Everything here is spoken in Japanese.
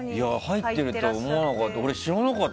入ってるとは思わなかった。